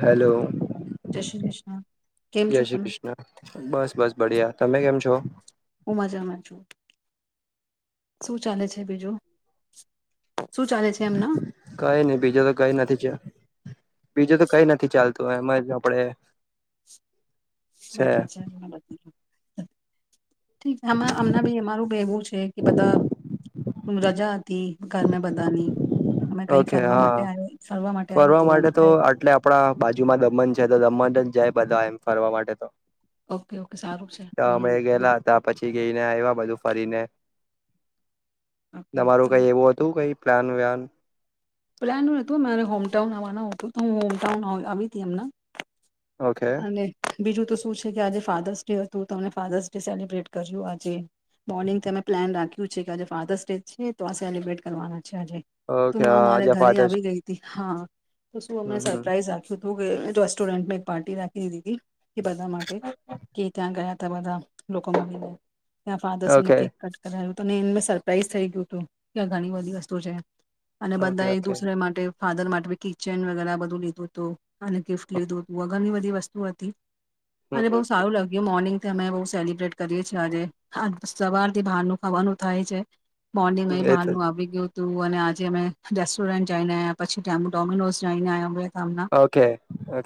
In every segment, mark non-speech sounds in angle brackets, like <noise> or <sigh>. Hello. Shri Krishna કેમ છો જય શ્રી તમે કૃષ્ણ. બસ બસ. બડિયા. તમે કેમ છો? હું મજામાં છુ. શું ચાલે છે બીજું? શું ચાલે છે એમના કઈ નઈ. બીજા તો કઈ નથી છે. બીજું તો કઈ નથી ચાલતું. એમ જ આપડે. બેટા છે ન બ <inaudible> ઠીક અ હમણાં હમણાં બી અમારું ભી એવું છે કે બધા તુમ રજા અતી. ઘર ને બધાની અમે કઈ ઓકે ફરવા હા માટે આવે ફરવા માટે તો આટલે આપડા બાજુમાં દમણ છે. તો દમન જ જાય બધા એમ ફરવા માટે તો ઓકે ઓકે સારું છે તો અમે ઘણું ગેલા તા પછી જઈને આવ્યા બધું ફરીને ઓકે તમારું કઈ એવું હતું કઈ પ્લાન વાન પ્લાન નતું મારે હોમટાઉન આવાનું હતુ તો હું હોમટાઉન આવી તી એમના ઓકે. અને બીજું તો શું છે. કે આજે ફાધર્સ ડે હતું તો અમને ફાધર્સ ડે સેલિબ્રેટ કર્યું. આજે મોનિંગથી અમે પ્લેન રાખ્યું છે કે આજે ફાધર્સ ડે છે તો આ સેલિબ્રેટ કરવાના અચ્છા જ તો ઓકે મારા આજે ઘરે ફાધર્સ આવી ગઈ હતી હા તો શું હમ અમને હમ સરપ્રાઈઝ રાખ્યું. તો ગ રેસ્ટોરન્ટ મે. પાર્ટી રાખી દીધી કે બધા માટે કે ત્યાં ગયા ત બધા લોકો. ત્યાં ફાદરસ નું ઓકે કેક કટ કરાવું. તોને એ મે સરપ્રાઈઝ થઈ ગયું હતું કે આ ઘણી બધી વસ્તુ છે. અને ઓકે બધા એક ઓકે દુસરે માટે. ફાધર માટે ભ કિચન વગેરે બધું લીધું હતું અને ગિફ્ટ લીધુંું. વઘરની બધી વસ્તુ હતી. હમ અને બહુ હમ સારું લાગ્યું મોર્નિંગ. અમે બહ સેલિબ્રેટ કરીએ છીએ આજે સવારથી બહાર ન ખાવાનું થાય છે. મોર્નિંગ હમ અહીં એ તો બહારનુંું આવી ગયું હતું. તું અને આજે અમે રેસ્ટોરન્ટ જઈને આવ્યા પછી ડોમિનોઝ જઈને આવ્યા અ. ઓકે ઓ.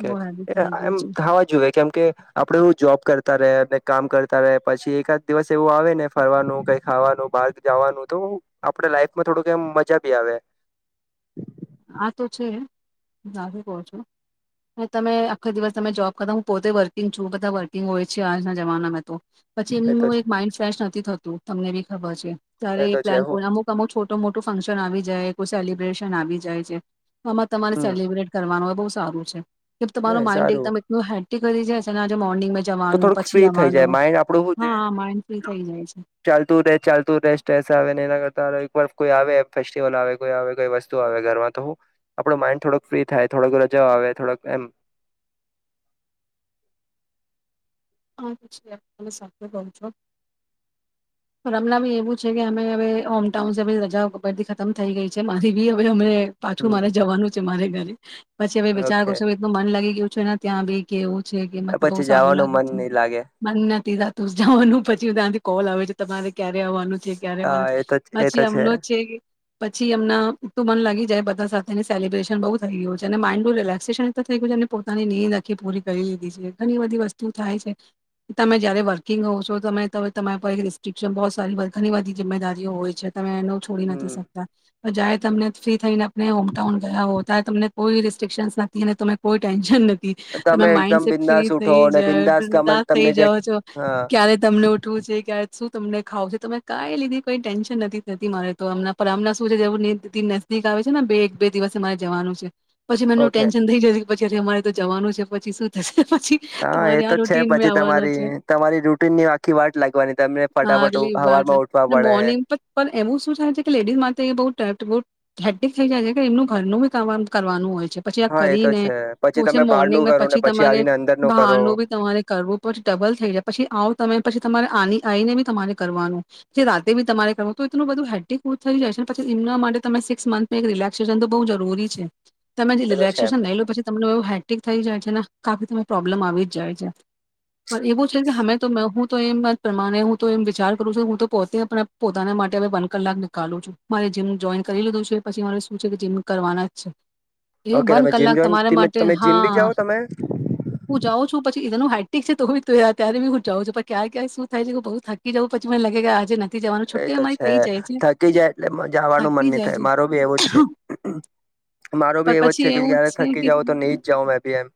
ગયું મ છે ખાવા જોુએ કેમ કે આપડે એું જોબ કરતા ર. કામ કરતા રહે પછી એકાદ દિવસ એવું આવે ને ફરવાનું કઈ ખાવાનું બહક જવાનું તો આપડ લાઈફમાં થોડુંકમ મજા ભી આવે. આ તો છે જ કહો છું. તમે આખો દિવસ તમે જોબ. કદા હું પોતે વર્કિંગ છું બધા વર્કિંગ હોય છે આજના જમાનામાંં તો. પછી એ તો એમનું છે એક માઇન્ડ ફેશ નું. નથી થતું તમને બી ખબર છે. ત્યારે એ તો છે પ્લાન હું અમુક અમુ છોટ. તો મોટું ફંક્શન આવી જાય કોઈ સેલિબ્રેશન આવી જાય તો. જાય છે. આમાં તમારે હમ સેલિબ્રેટ કરવાનું હોય બહુ. સારું છે. કે એ તમારું માઇન્ડ સારું એકદમ એટલું હેટ. ગરે જ હશે ન આજ. તો થોડુંક ફ્રી થઈ જાય માઇન્ડ આપડું ને હા માઇન્ડ ફ્રી થઈ જાય છે ચાલતું ને ચાલતું રે સ્ટ્રેસ આવે ને એના કરતા એક વાર. કોઈ આવે ફેસ્ટિવલ આવે કોઈ આવે કોઈ વસ્તુ આવે ઘરમાં તો આપણો માઈન્ડ થોડોક ફ્રી થાય થોડક રજા આવે થોડ એમ. હમણાં બી એવું છે કે અમે હવે હોમટાઉનસ રજા ખતમ થઈ ગઈ છે મારી બી હવે અમે. પાછું મારે હમ જવાનું છે મારે ઘરે પછી હવે વિચાર ઓકે કરશો હ એટલુ મન લાગી ગ્યું. ને ત્યાં બી કેવું ચ. પછી જવાનું મન નહી. લાગે મને નથી થાતુ જવાનુ પછી ત. કોલ આવે છે તમારે ક્યારે આવવાનું હા ક્યારેવા એ તો એ તો પછી એમનો છે પછી એમના તું મન લાગી જાય બધા સાથે સાથે સેલિબ્રેશન બુ થઈ ગયું છે અને માઇન્ડું રિલેક્સેશન એ થઈ ગયું અને પોતાની નીંદ અખી પૂરી કરી લીધી છે ઘણી બધી વસ્તુ થાય છે તમે જયારે વર્કિંગ હોવ છો તમેમે તમારા પર એક રિસ્ટ્રિકશન બહુ સારી ઘણી બધી જિમ્મેદારી ઓ હોય છે. તમે ન છોડી નથી હમ શકતા તો જાય તમને ફ્રી થઈને આપણે હોમટાઉન ગયા હો ત તમને કોઈ રિસ્ટ્રિકશન્સ નથી અને તમે કોઈ ટેન્શન નથી તમે એકદમ બિંદાસ ઉઠો ને બિંદાસ તમે અંદા થઇ તમને જે જાવ છો હા ક્યારે તમને ઉઠવું છે ક્યારે શું તમને ખાવ છે તમે કઈ લીધી કોઈ ટેન્શન નથી થતી મારે તોમમ શું છે જે નજદીક આવે છે ને બે એક બે દિવસે મારે જવાનું છે. પછી મેનુ ઓકે ટેન્સન થઈ જયું પછી આજે અમારે તો જવાનું છે પછી શું થશે પછી હા એ તમારે આ તો રો છે પછી તમારી તમારી રૂટીનની આખી વાટ લાગવાની તમને હા ફટાફટ આગલી વાર એટલે હવારમાં ઉઠવા અને પડે મોર્નિંગ ગુડ ટ્રેપ ગુડ હેકટીક થઈ જાય છે કે, એમનું ઘરનું બી કામ કરવાનું હોય છે. પછી આ હા, એ તો કરીને છે. પછી પોછે તમે બહારનું મોર્નિંગમાં કરો ને પછી આવીને અંદરનું કરો. તો પછી ડબલ થઈ જાય પછી આવો તમે પછી તમારે આની આઈને બી તમારે કરવાનું, પછી રાતે બી તમારે કરવાનું તો એટલું બધું હે્ટી ફુલ થઈ જાય છે પછી એમના માટે તમે સિક્સ મંથમાં એક રિલેક્સેશન તો બહુ જરૂરી છે. તમે જે એ તો છે રિલેકશશન લઈલો. પછી તમને એવું હેટિક થઈ જાય છે. નખ કાપે તો મને પ્રોબ્લેમ આવી જાય જ છે. પણ એવું છે કે હમે તો મે હું- તો એમ જ પ્રમાણે હું તો એમ વિચાર કરું છું. હું તો પોતે પોતાના માટે હવે વન કલાક નીકાલું છું. મારે જીમ જોઈન કરી લીધું છે પછી મારે શું છે કે, જીમ કરવાના જ છે. એ ઓકે વન તમે જીમ કલાક જો તમારા માટે તમે હા જીમ બી જાઓ તમે હું જાઉં છું પછી એનું હાઇટ ઠી છે તો તો ત્યારે બી હું જાઉ છું પણ ક્યાં ક્યાય શું થાય છે કે બઉ થાકી જઉું પછી મને લાગે કે આજે જવાનું એ છુટ્ટી તો અમારી છે થઈ જાય થકી જાય એટલે મને જવાનું મન થાકી નહી જાય થાય છે માર બી એવું જ છે મારો પણ ભી એવો જ પછી છે કે એવું ક્યારે છે થકી કે જાવ તો નહી જ જાવ મે ભી એમ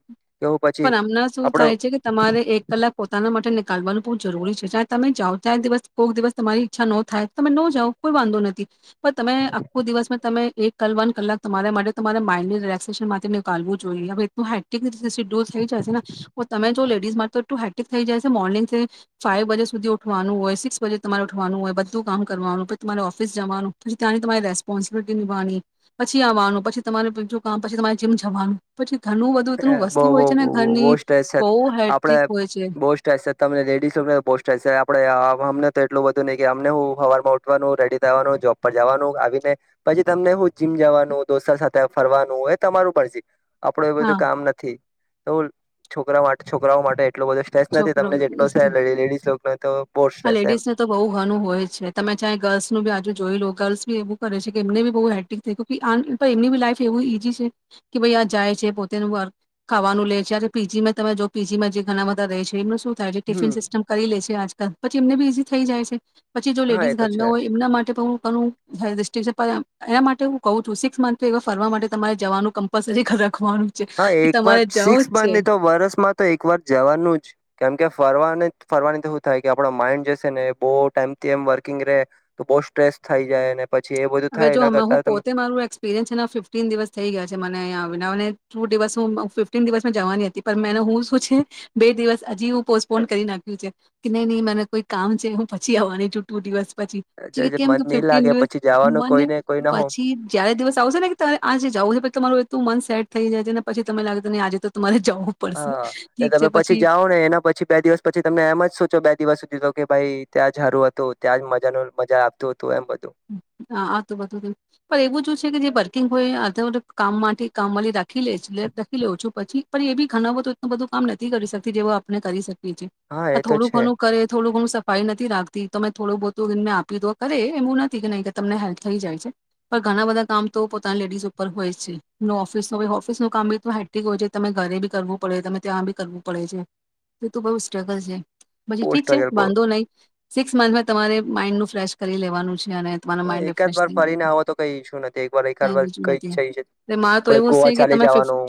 કેવું પછી પણ આમના શું આપડો થાય છે કે તમારે એક કલાક પોતાના માટે કાલવાનું બહુ જરૂરી છે જ્યાં તમે જાઓ ત્યાં દિવસ કોઈક દિવસ તમારી ઈચ્છા ન થાય તમે ન જાાવ કોઈ વાંધો નથી પણ તમે આખો દિવસમાં તમે એક કલવન કલાક તમારા માટે તમારા માઇન્ડની રિલેક્સેશન માટે નીકાલવું જોઈએ હવે એ મા તોટલું હેટિક થઈ જાય છે મોર્નિંગ ફાઇવ બજે સુધી ઉઠવાનું હોય સિક્સ બજે તમારે ઉઠવાનું હોય બધું કામ કરવાનું પછી તમારે ઓફિસ જવાનું પછી ત્યાંની તમારે રેસ્પોન્સિબિલિટી નિવાની પછીવાનું પછી તમારે બીજું કામ પછી તમારે જીમ જવાનું પછી ઘણું બધું એટલુ વસ્તુ હોય. ને ઘરની બોસ્ટ છે બહુ હેટ્રિક આપડે હોય છે બોસ્ટ તમને લેડીસસ્ટ આપ તો એટલું બધું નહ કે અમને હું સવારમાં ઉઠવાનું રેડી થવાનું જોબ પર જવાનું આવીને પછી તમને હું જીમ જવાનું દોસ્તાર સાથે ફરવાનું એ તમારું પણ છે. આપડો એવું બધું હા કામ નથી તો છોકરા માટે છોકરાઓ માટે એટલો બધું સ્ટ્રેસ નથી છોકરો તમને જેટલો સે લેડીઝ લોકોનો તો બહુ હા સ્ટ્રેસ એમ લેડીઝને તો બહુ ઘણું હોય છે તમે ચાહે ગર્લ્સનું બી હજુ જોઈ લો ગર્લ્સ એવું કરે છે કે એમને બી બહુ હે્ટિક થાય એમની બી લાઈફ એવું ઈઝી છે કે ભાઈ આ જાય છે પોતેનું વર્ક ખાવાનું લે છે પીજીમાં તમે જો પીજીમાં જે ઘણા બધા રહે છે એમનું શું તોજે ટિફિન હમ સિસ્ટમ કરી લે છે આજકાલ પછી એમને બી ઈઝી થઈ જાય છે. પછી જો હા એ લેડીસ ઘર તો ના છે હોય એમના માટે પણ હું કરું હેલ્થ એના માટે હું કઉ છું સિક્સ મંથ એવા ફરવા માટે તમારે જવાનું કમ્પલસરી ખરે હા એક વાર સિક્સ બંધની તો વરસમાં તો એક વાર જવાનું જ કેમ કે. ફરવાની ફરવાની તો શું થાય કે આપણો માઇન્ડ જેશે ને બહુ ટાઈમથી એમ વર્કિંગ રે તો બહુ સ્ટ્રેસ થઈ જાય. પછી એ બધું હવે થાય જો એના કરતા હું તમે પોતે મારું એક્સપિરિયન્સ છે એના ફિફ્ટીન દિવસ થઈ ગયા છે મને અંયા આવીને. ટુ દિવસ હું ફિફ્ટન દિવસ જવાની હતી પણ મે હું શું છે બે દિવસ હજી હું પોસ્ટપોન કરી નાખ્યું છે કે નહી નહી મને કોઈ કામ છે હું પછી આવવાની છું ટુ દિવસ. જે પછી જે મન કેમું નહીં ફિફ્ટીન લાગે દિવસ. પછી જવાનું મને કોઈને કોઈ ના હો પછી જયારે દિવસ આવશે ને કે ત આજ જવ. તમારું એું મન સેટ થઈ જાય છે નેછી તમે લાગે તો ને આજે તો તમારે. જવું પડશે હા એ ઠીક તમે છે પછી જાઓ ને એના પછી બે દિવસ પછી તમે એમ જ સોચો બે દિવસ સુધી. ીધ કે ભાઈ ત્યાં સારું હતો ત્યાં જ મજા ન મજા આપતો. હા આ તું બધું ત પણ એવું જ છે કે જે ભર. કે કોઈ આધ કામ માટેથી કામવાળી રાખી લે લે રાખી લઉં છું પછી પણ એ બી ઘણ બધો એલું બધું કામ નથી કરી શકતી જેવ આપણે કરી શકી. હા આ એ તો થોડું છે ઘણું કરે થોડું ઘણું સફાઈ નથી રાખતી. તમે થોડું બહુું મે આપી દો કરે એમું નથી. કે નહી કે તમને હેલ્પ થઈ જાય છે પણ ઘણા બધા કામ તો પોતાના લેડીઝ ઉપર હોય જ છે ઓફિસ ન ઓફિસ નું કામ બી હેિક હોય છે તમે ઘરે બી કરવું પડે તમે ત્યાં બી કરવું પડે છે એ ત બઉુ સ્ટ્રગલ છે. પછી બહુ ઠીક છે સ્ટ્રગલ બહુ બાંધો નહીિ. સિક્સ મંથમાં તમારે માઈન્ડ નું ફ્રેશ કરી લેવાનું છે. જ તમાર હા, માઇન્ડ એકાદ રિફ્રેશ વાર થઈ જાય ફરીને આવો તો કઈ ઈસ્યુ નથી એક વાર ક એકાદ વાર બીજું કઈ નથી જઈ છે. એટલે મારે તો આપણે એવું જ ગોવા છે કે ચાલી તમે ફિફ જવાનું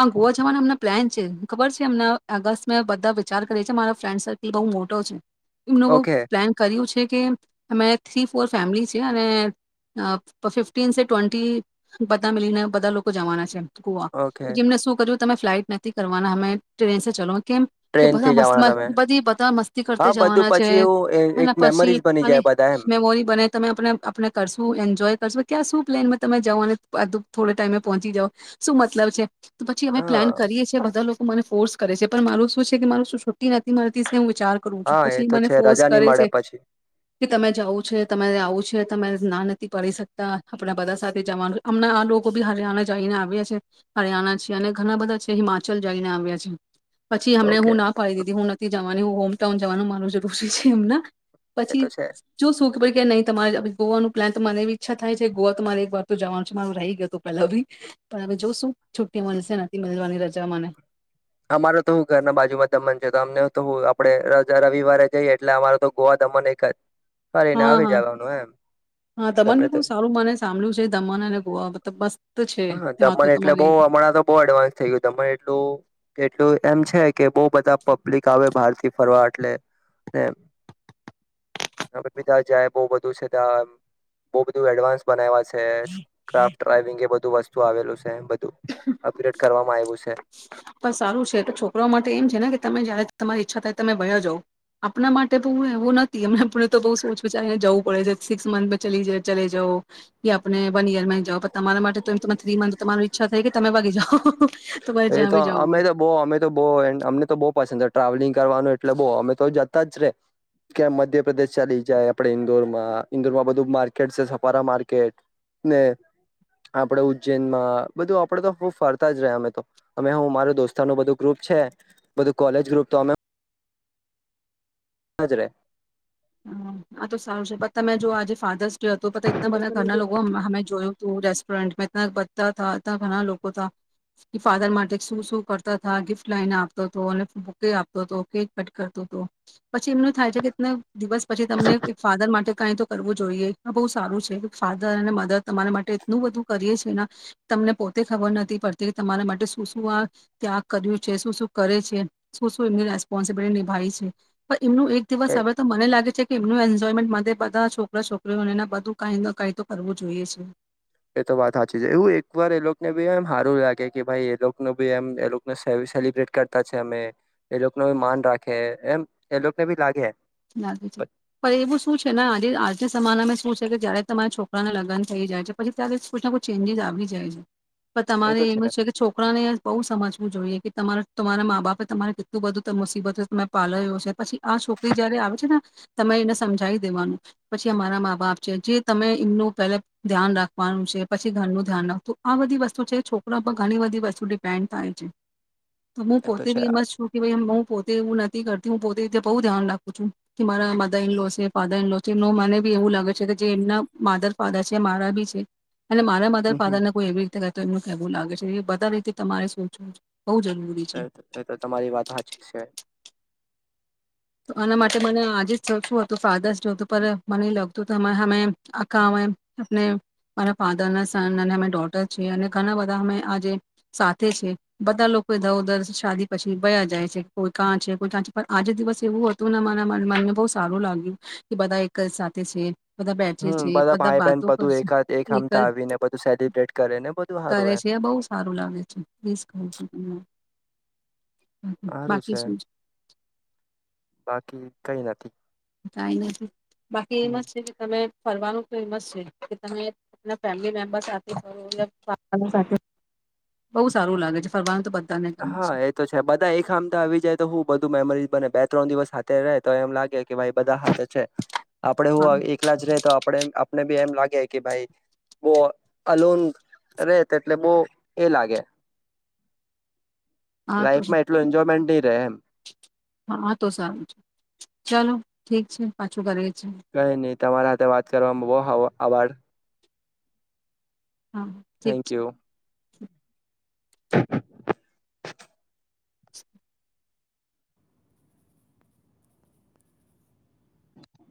આ ગોવા જવાના અમને પ્લાન. ખબર છે એમને અગત મે બધા વિચાર કરીી મારા ફ્રેન્ડ સર્કલ બહુ મોટો છે. એમનું બહ ઓકે પ્લાન કર્યું છે. કે મેથી. પોર ફેમિલી છે અને ફિફ્ટીન સે ટ્વેન્ટી બધા મિલીને બધા લોકો જવાના છે. ઓકે પછી એમને શું કર્યું. તમે ફ્લાઇટ નથી કરવાના અમે ટ્રેન ચલો. કેમ કે બધા ટ્રેનથી મસ્ત જવાના તમે બધી બધા મસ્તી હા કરતા બધું જવાના છે પછી એવું એ એક અનેના પછી મેમરીઝ બની અને જાય બધા એમ મેમોરી. તમે આપણે કરશું એન્જોય કરશો ક્યાં શું પ્લેનમાં તમે જઓ અને થોડ ટાઈમે પહોંચી જાવ શું મતલબ છે. તો પછી અમે હા પ્લાન કરીએીએ બધા લોકો. મને ફોર્સ કરે છે પણ મારું શું છે કે મારું શું છુ્ટી નથી મા. વિચાર કરું છું હા એ પછી તો મને છે ફોર્સ રજા નહી કરે મળે છે પછી કે તમે જાવઓ છે. છે તમે ના નથી પડી શકતા આપણા બધા સાથે જવાનું હમણાં આ લોકો બી હરિયાણા જઈને આવ્યા છે હરિયાણા છ અને ઘણા બધા છે હિમાચલ જઈને આવ્યા છે. પછી હમને ઓકે હું ના પાડી દીધી હું નથી જવાની. ત જવાનું માર જે રોસી છે એમને. એ પછી તો છે જો શું. ખબ કે નહી તમારે ગોવાનું પ્લાનરે ઈચ્છા થાય છે ગોવા તમારે એક વાર તો જવાનું છે મારો રહી ગયો હત પેલા બી પણ હવે જોશું છુટ્ટી મળશે નથી મળવાની રજા મને. અમારો તો હું ઘરના બાજુમાં દમન છે તો અમને તો હું આપડે રવિવારે જઈએ એટલે અમારો તો ગોવા દમણ એક જ. ફરીને હા આવી હા જવાનું એમ હા તમાને તમને તો બી સારું માને સાંભ્યું છે દમણ અને ગોવા મતલબ બસ હા દમણ એટલે બો હમણાં તો બો એડવાન્સ થઇ ગયું દમણ એટલું કેટલું એમ છે. કે બો બધા પબ્લિક આવે બહારથી ફરવા એટલે બીધા જાય બો બધું છે ત્યાં બો બધું એડવાન્સ બનાવ્યા. છે ક્રાફ્ટ ડ્રાઈવિંગ એ બ ધુ વસ્તુ આવેલું છે બ દુ અકરેટ કરવામાં આવ્યું છે. પણ સારું છે છોકરા માટે એમ છે ને કે તમે જયારે તમારી ઈચ્છા થાય તમે બયા જાવ આપણા માટે બહુ એવું નથી એમને તો સોચ વિચારીને જવું પડે છે સિક્સ મંથ ચલે જવો કે આપને વન યરમાં જાઓ પણ તમારા માટે તો એ થ્રી મા તમાર ઈચ્છા થઈ કે તમે વાગી જાઓ. તમારે એ જ્યાં તો બી જવું અમે હોય તો બો અમે તો બો અમને તો બો પ ટ્રાવેલિંગ કરવાનું એટલે બો અમે તો જતા જ રે કે મધ્યપ્રદેશ ચાલી જાય આપડે ઈન્દોર માં ઇન્દોરમાં બધું માર્કેટ છે સફારા માર્કેટ ને આપડે ઉજ્જૈનમાં બધું આપડે તો ફરતા જ ર અમે તો. અમે હું મારો દોસ્તા ન બધું ગ્રુપ છે બધું કોલેજ ગ્રુપ તો અમે હાજરે. હા તો સારું છે પ તમે જો આજે ફાધર્સ ડે હતો પ તેં એટલા બધા ઘરના લોકો અમે જોયું તું રસ સ્ટોરન્ટ બધતા ઘણા લોકો તા ફાધર માટે શું શું કરતા હતા ગિફ્ટ લઈને આપતો હતો અને બુકે આપતો હતો કેક કટ કરતો હતો પછી એમનું થાય છે કે દિવસ પછી તમને ફાધર માટે કઈ તો કરવું જોઈએ. આ બઉ સારું છે ફાધર અને મધર તમારા માટે એટલું બધું કરીએ છે તમને પોતે ખબર નથી પડતી કે તમારા માટે શું શું આ ત્યાગ કર્યું છે શું શું કરે છે શું શું એમની રેસ્પોન્સિબિલિટી નિભાવી છે પ એમનું એક દિવસ આવે તો મને લાગે છે. એમનું એન્જોયમેન્ટ માટે બધા છોકરા છોકરીઓને એ બધું ક ન કાય તો કરવું જોઈએ છે. એ તો વાત હાચી છે એવું એક વાર એ લોકોને બી એમ હારું લાગે કે ભાઈ એ લોકોનો બી એમ એને લોકને સેલિબ્રેટ કરતા છે અમે એ લોકો ને માન રાખે એમ એ લોકોને ભી લાગે. લાગે છે પણ એવું શું છે ને આજે આજના સમાનામાં શું કે કે જ્યારે તમારા છોકરાને લગ્ન થઈ જાય છે પછી ત્યારેને કુછ ના કુછ ચેન્જીિસ આવી જાય છે. પણ એ તમારે તો એમ જ છે કે છોકરાને બઉ સમજવું જોઈએ કે તમારા તમારા મા બાપે તમારે કેટલું બધું મુસીબત તમે પાલ્યો છે પછી આ છો ઈ જયારે આવે છે ને તમે એને સમજાવી દેવાનું પછી અમારા મા બાપ છે જે તમે એમનું પહેલા ધ્યાન રાખવાનું છે પછી ઘરનું ધ્યાન રાખતું આ બધી વસ્તુ છે છોકરા પર ઘણી બધી વસ્તુ ડિપેન્ડ થાય છે. તમે એ તો પોતે છે બી એમા આજ છું કે ભાઈ હું પોતે એવું નથી કરતી હું પો તેય તેં બહુ ધ્યાન રાખ. ખુ છું કે મારા મધર ઇન લો છે ફાધર ઇન લો છે નો મને બી એવું લાગે છે કે જે એમના માધર ફાધર છે મારા બી છે. અને મારા મધર હમ ફાધર ને કોઈ એવી રીતે કરતો એ એવું લાગે છે એ બધા રીતે તમારે સુંચવું એ તો તમારી વાત હાચી છે. તો આના માટે મને આજે જ શું હતું ફાધર્સ જો હતું પણ મને એ લાગતું અમાં હામે અમે આખા મેરા ફાધર ના સન અને અમે ડોટર છે અને ઘણા બધા અમે આજે સાથે છે બધા લોકોધરધર શાદી પછી બ જાય છે કોઈ કાં છે કોઈ કાં છે પણ આજે દિવસ એવું હતું ને મને બો સારું લાગ્યું કે બધા એક જ સાથે છે. બધા બેઠે છે હમ બધા ભાઈ બહેન બાતો બધું કરશે એકાદ એક હમતા આવીને બધું સેલિબ્રેટ કરે ને બધું સારું કરે એમ છે બઉ સારું લાગે છે. સારું બાકી છે શું છ. બાકી કઈ નથી કઈ નથી બાકી હમ. એમાં જ છે કે તમે ફરવાનું ફેમસ છે કે તમે ફેમલી મેમ્બર સાથે ફ બ સારું લાગે છે ફરવાનું તો બ હા એ તો છે બધા એ ખામ તો આવી જાય તો હું. બધું મેમરી બને બે ત્રણ દિવસ હાથે રહે તો એમ લાગે કે ભાઈ બધા હાથે છે. આપડે હા હું એકલા જ ર તો આપ આપને બી એમ લાગે કે ભાઈ બહ અલન રે તેટલે બહ એ લાગે હા તો લાઈફમાં એટલું એન્જોયમેન્ટ નહી એમ. હા હા તો સારું છે ચાલો ઠીક છે પાછું કરી કઈ નહી તમારા સાથે વાત કરવામાં બહુ હ આવાડ. હા ઠીક થેન્ક છે. યુ <unintelligible> <inaudible>